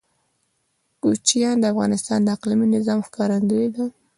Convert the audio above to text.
کوچیان د افغانستان د اقلیمي نظام ښکارندوی ده.